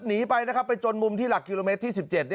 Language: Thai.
หนีไปนะครับไปจนมุมที่หลักกิโลเมตรที่๑๗